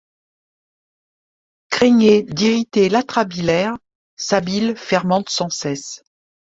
Craignez d'irriter l'atrabilaire, sa bile fermente sans cesse.